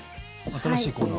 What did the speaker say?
新しいコーナー。